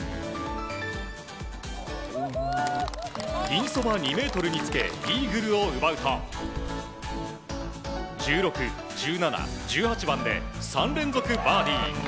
ピンそば２ｍにつけイーグルを奪うと１６、１７、１８番で３連続バーディー。